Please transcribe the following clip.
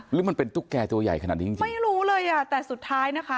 หรือมันเป็นตุ๊กแก่ตัวใหญ่ขนาดนี้จริงไม่รู้เลยอ่ะแต่สุดท้ายนะคะ